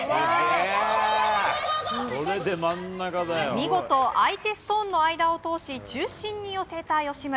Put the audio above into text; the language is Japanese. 見事、相手ストーンの間を通し中心に寄せた吉村。